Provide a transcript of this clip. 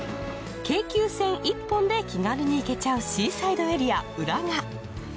京急線１本で気軽に行けちゃうシーサイドエリア浦賀。